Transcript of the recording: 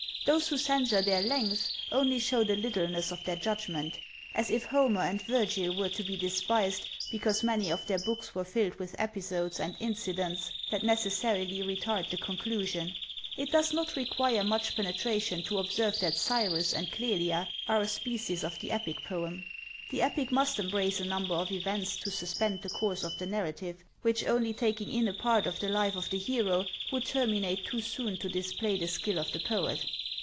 Those who censure their length only show the littleness of their judgment; as if Homer and Virgil were to be despised, because many of their books were filled with episodes and incidents that necessarily retard the conclusion. It does not require much penetration to observe that Cyrus and Clelia are a species of the epic poem. The epic must embrace a number of events to suspend the course of the narrative; which, only taking in a part of the life of the hero, would terminate too soon to display the skill of the poet.